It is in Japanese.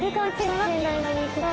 はい。